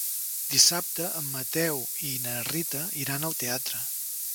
Dissabte en Mateu i na Rita iran al teatre.